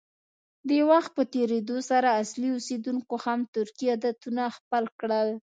د وخت په تېرېدو سره اصلي اوسیدونکو هم ترکي عادتونه خپل کړل.